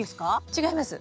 違います。